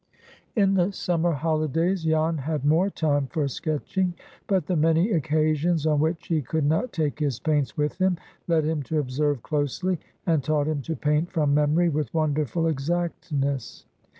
In the summer holidays, Jan had more time for sketching. But the many occasions on which he could not take his paints with him led him to observe closely, and taught him to paint from memory with wonderful exactness.